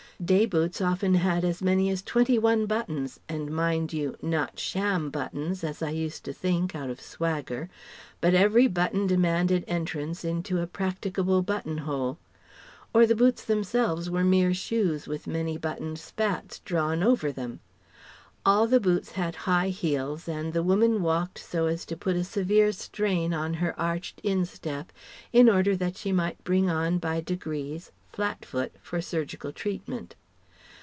Day boots often had as many as twenty one buttons and, mind you, not sham, buttons, as I used to think, out of swagger; but every button demanded entrance into a practicable button hole. Or the boots themselves were mere shoes with many buttoned spats drawn over them. All the boots had high heels and the woman walked so as to put a severe strain on her arched instep in order that she might bring on by degrees "flat foot" for surgical treatment.